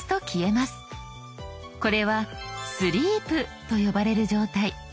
これは「スリープ」と呼ばれる状態。